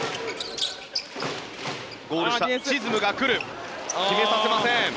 ゴール下、チズムが来る決めさせません。